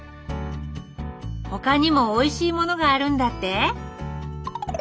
他にもおいしいものがあるんだって？